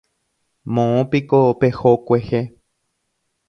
Moõpiko peho kuehe.